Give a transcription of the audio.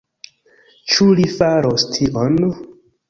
Ĉu li faros tion?